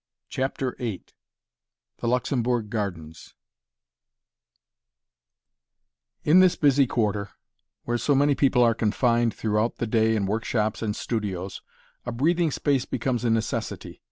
CHAPTER VIII THE LUXEMBOURG GARDENS In this busy Quarter, where so many people are confined throughout the day in work shops and studios, a breathing space becomes a necessity.